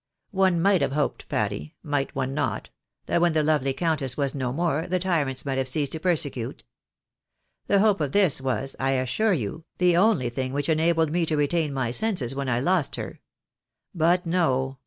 One might have hoped, Patty, might one not, that when the lovely countess was no more, the tyrants might have ceased to persecute ? The hope of this was, I assure you, the only thing which enabled me to retain my senses when I lost her. But no